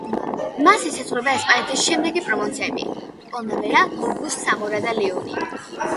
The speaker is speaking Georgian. მას ესაზღვრება ესპანეთის შემდეგი პროვინციები: პონტევედრა, ლუგო, სამორა და ლეონი.